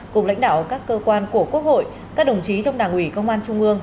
cùng lãnh đạo các cơ quan của quốc hội các đồng chí trong đảng ủy công an trung ương